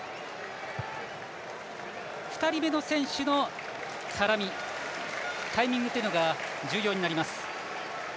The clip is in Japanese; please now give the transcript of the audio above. ２人目の選手の絡みタイミングというのが重要になります。